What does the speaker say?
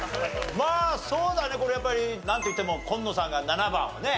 まあそうだねこれやっぱりなんといっても紺野さんが７番をね